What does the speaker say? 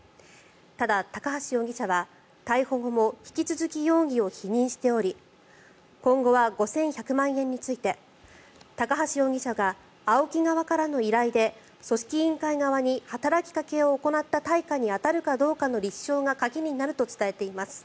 ただ、高橋容疑者は逮捕後も引き続き容疑を否認しており今後は５１００万円について高橋容疑者がＡＯＫＩ側からの依頼で組織委員会側に働きかけを行った対価に当たるかどうかの立証が鍵になると伝えています。